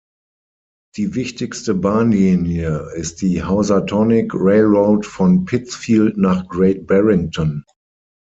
Die wichtigste Bahnlinie ist die Housatonic Railroad von Pittsfield nach Great Barrington.